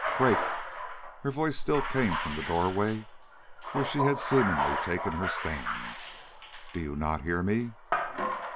"Craik!" Her voice still came from the door way, where she had seemingly taken her stand. "Do you not hear me?"